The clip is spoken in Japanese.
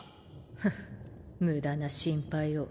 ふっ無駄な心配を。